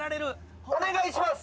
お願いします。